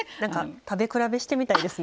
食べ比べしてみたいですね。